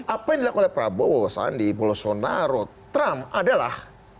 apa yang dilakukan prabowo sandi bolsonaro trump adalah